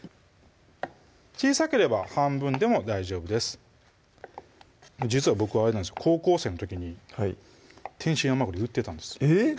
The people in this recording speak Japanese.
小さければ半分でも大丈夫です実は僕あれなんです高校生の時に「天津甘栗」売ってたんですえっ？